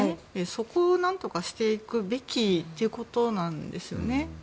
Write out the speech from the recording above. そこを何とかしていくべきということなんですよね。